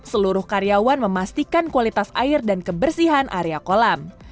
seluruh karyawan memastikan kualitas air dan kebersihan area kolam